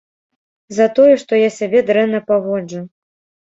За тое, што я сябе дрэнна паводжу.